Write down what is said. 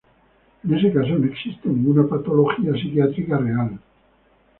En ese caso no existe ninguna patología psiquiátrica real.